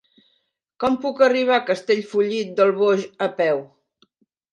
Com puc arribar a Castellfollit del Boix a peu?